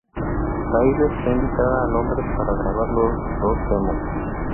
Tyler fue invitada a Londres para grabar dos demos.